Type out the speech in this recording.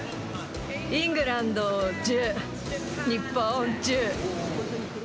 イングランド１０、日本１０。